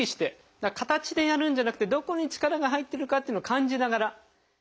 だから形でやるんじゃなくてどこに力が入ってるかっていうのを感じながら。